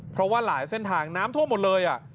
เพราะว่าหลายเส้นทางน้ำท่วมหมดเลย